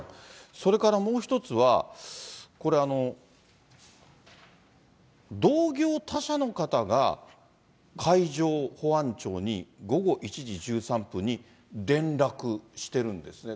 それから、もう１つは同業他社の方が海上保安庁に、午後１時１３分に連絡してるんですね。